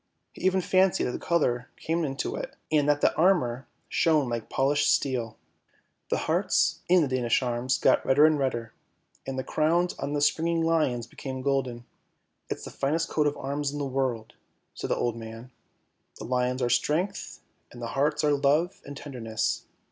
He even fancied that the colour came into it, and that the armour shone like polished steel ; the hearts in the Danish Arms 1 got redder and redder, and the crowns on the springing lions became golden. " It's the finest coat of Arms in the world! " said the old man. " The lions are strength, and the hearts are love and tenderness!